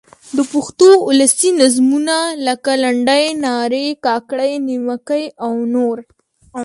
د پښتو اولسي نظمونه؛ لکه: لنډۍ، نارې، کاکړۍ، نیمکۍ او نور.